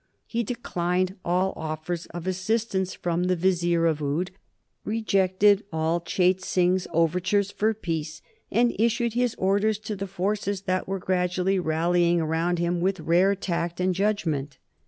He declined all offers of assistance from the Vizier of Oude, rejected all Chait Singh's overtures for peace, and issued his orders to the forces that were gradually rallying around him with rare tact and judgment.